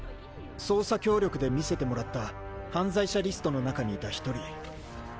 捜査協力で見せてもらった犯罪者リストの中にいた１人。